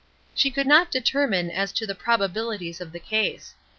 She could not determine as to the probabilities of the case.